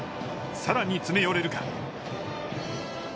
さらに詰め寄れるか。